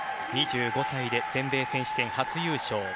２５歳で全米選手権初優勝。